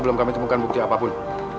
belum kami temukan bukti apapun